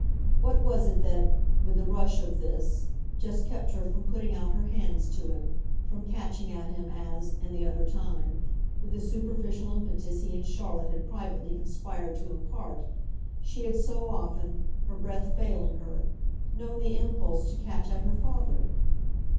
What was it that, with the rush of this, just kept her from putting out her hands to him, from catching at him as, in the other time, with the superficial impetus he and Charlotte had privately conspired to impart, she had so often, her breath failing her, known the impulse to catch at her father?